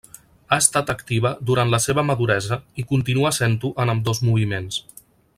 Ha estat activa durant la seva maduresa i continua sent-ho en ambdós moviments.